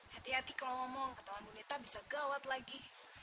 hati hati kalau ngomong ketahuan budita bisa gawat lagi